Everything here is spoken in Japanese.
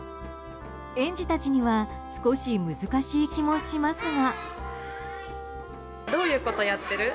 園児たちには少し難しい気もしますが。